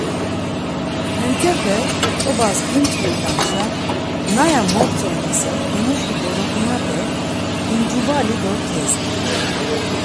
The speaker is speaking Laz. Hentepe t̆obas imçvirt̆anşa naya mogtzondasen hemuşi dolokunape incubali do kezdi.